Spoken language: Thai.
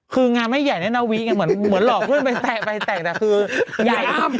คืองานไม่ใหญ่แน่นาวิไงเหมือนหลอกเพื่อนไปแตะไปแต่งแต่คือใหญ่อ้ำ